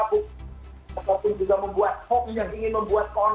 tetapi juga membuat hoax yang ingin membuat keonaran